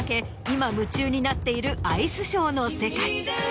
今夢中になっているアイスショーの世界。